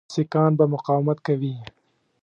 سیکهان به مقاومت کوي.